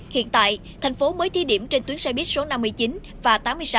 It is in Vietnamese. hiện tại thành phố mới thí điểm trên tuyến xe buýt số năm mươi chín và tám mươi sáu